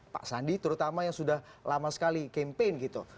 pak sandi terutama yang sudah lama sekali campaign gitu